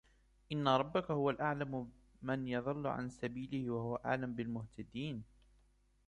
إن ربك هو أعلم من يضل عن سبيله وهو أعلم بالمهتدين